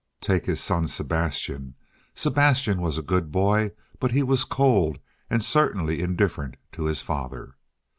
Take his son Sebastian. Sebastian was a good boy, but he was cold, and certainly indifferent to his father.